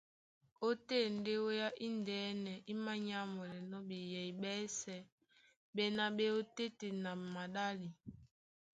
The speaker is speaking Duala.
Ótên ndé wéá indɛ́nɛ í mānyámwɛlɛnɔ́ ɓeyɛy ɓɛ́sɛ̄ ɓéná ɓé e ot́téten a maɗále.